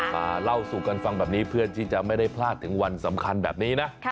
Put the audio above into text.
มาเล่าสู่กันฟังแบบนี้เพื่อที่จะไม่ได้พลาดถึงวันสำคัญแบบนี้นะ